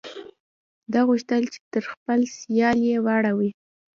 ده غوښتل چې تر خپل سیال یې واړوي.